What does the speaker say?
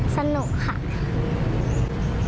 สนุกค่ะ